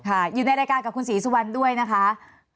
อยู่ในรายการกับคุณศรีสุวรรณด้วยนะคะ